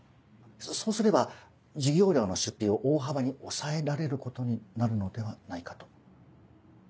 そうすれば授業料の出費を大幅に抑えられることになるのではないかと。